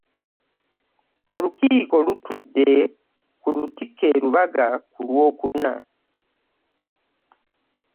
Olukiiko lutudde ku Lutikko e Lubaga ku Lwokuna.